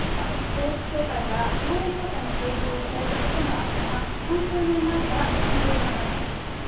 統一教会から乗用車の提供をされたことがあったが、３０年前から関係はないとしています。